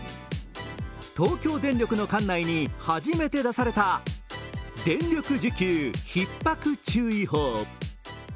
東京電力の管内に初めて出された電力需給ひっ迫注意報。